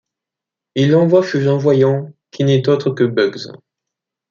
Il l'envoie chez un voyant, qui n'est autre que Bugs.